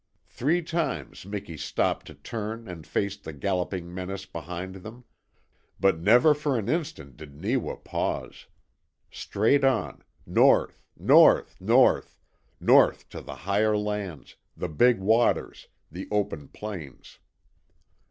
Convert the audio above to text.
Three times Miki stopped to turn and face the galloping menace behind them, but never for an instant did Neewa pause. Straight on NORTH, NORTH, NORTH north to the higher lands, the big waters, the open plains.